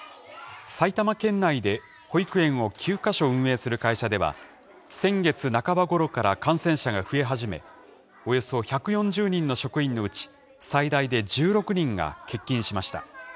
埼玉県内で保育園を９か所運営する会社では、先月半ばごろから感染者が増え始め、およそ１４０人の職員のうち、最大で１６人が欠勤しました。